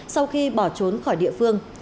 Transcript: sau khi bỏ trốn khỏi địa phương